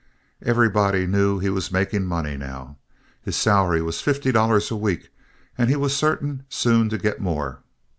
Everybody knew he was making money now. His salary was fifty dollars a week, and he was certain soon to get more.